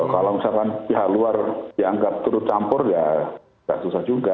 kalau misalkan pihak luar dianggap turut campur ya nggak susah juga